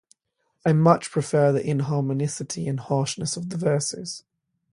I much prefer the inharmonicity and harshness of the verses.